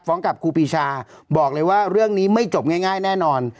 กับครูปีชาบอกเลยว่าเรื่องนี้ไม่จบง่ายแน่นอน